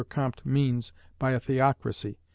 Comte means by a theocracy.